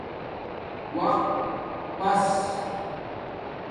وقت پݽ